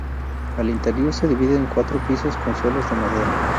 Al interior se divide en cuatro pisos con suelos de madera.